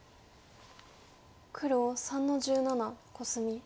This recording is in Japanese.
黒３の十七コスミ。